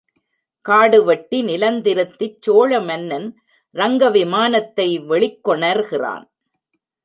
காடு வெட்டி நிலந்திருத்திச் சோழ மன்னன் ரங்கவிமானத்தை வெளிக் கொணர்கிறான்.